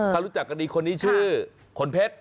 ถ้ารู้จักกันดีคนนี้ชื่อขนเพชร